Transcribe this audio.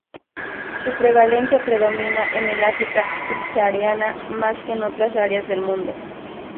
Su prevalencia predomina en el África subsahariana, más que en otras áreas del mundo.